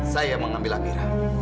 saya mengambil amira